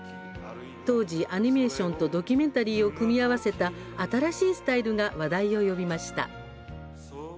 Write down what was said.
当時、アニメーションとドキュメンタリーを組み合わせた新しいスタイルが話題を呼びました。